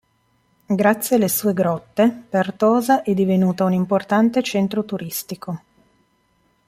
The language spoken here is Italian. Grazie alle sue grotte, Pertosa è divenuta un importante centro turistico.